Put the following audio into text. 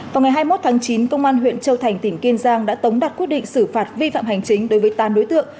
vào ngày hai mươi một tháng chín công an huyện châu thành tỉnh kiên giang đã tống đặt quyết định xử phạt vi phạm hành chính đối với tám đối tượng